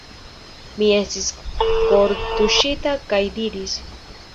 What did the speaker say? Mi estis kortuŝita kaj diris: